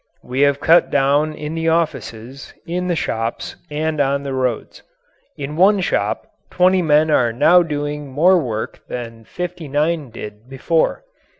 We have cut down in the offices, in the shops, and on the roads. In one shop 20 men are now doing more work than 59 did before.